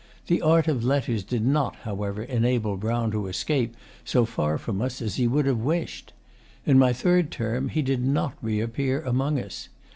The art of letters did not, however, enable Brown to escape so far from us as he would have wished. In my third term he did not reappear among us.